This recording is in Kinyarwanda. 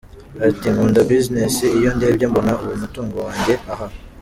Ati :” Nkunda business, iyo ndebye mbona ubu umutungo wanjyeeeee, ahaaaa.